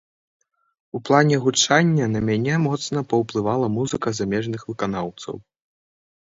У плане гучання на мяне моцна паўплывала музыка замежных выканаўцаў.